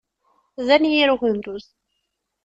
D anyir ugenduz.